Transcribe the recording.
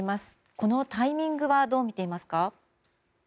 このタイミングはどうみていますか？